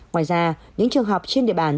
ngoài ra những trường học trên địa bàn